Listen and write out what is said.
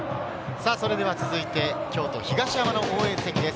それでは続いて京都・東山の応援席です。